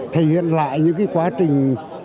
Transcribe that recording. thể hiện lại những quá trình